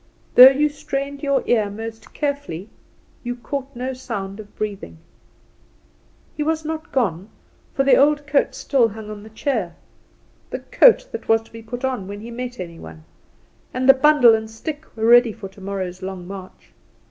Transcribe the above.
Though you strained your ear most carefully you caught no sound of breathing. He was not gone, for the old coat still hung on the chair the coat that was to be put on when he met any one; and the bundle and stick were ready for tomorrow's long march.